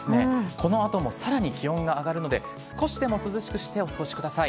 このあともさらに気温が上がるので、少しでも涼しくしてお過ごしください。